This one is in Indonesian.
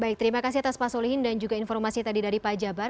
baik terima kasih atas pak solihin dan juga informasi tadi dari pak jabar